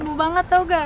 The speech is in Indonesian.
bu banget tahu gak